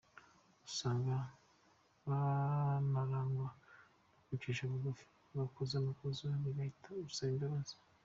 Usanga banarangwa no kwicisha bugufi iyo bakoze amakosa bihatira gusaba imbabazi.